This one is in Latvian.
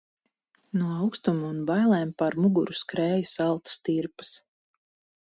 No aukstuma un bailēm pār muguru skrēja saltas tirpas.